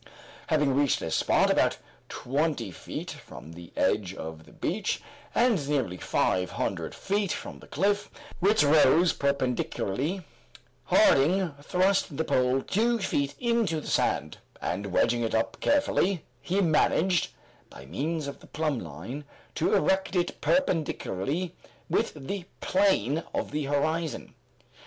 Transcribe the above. Having reached a spot about twenty feet from the edge of the beach, and nearly five hundred feet from the cliff, which rose perpendicularly, Harding thrust the pole two feet into the sand, and wedging it up carefully, he managed, by means of the plumb line, to erect it perpendicularly with the plane of the horizon.